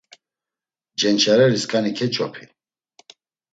Cenç̌arerisǩani keç̌opi.